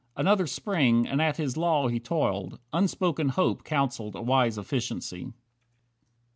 Another Spring, and at his law he toiled, Unspoken hope counselled a wise efficiency.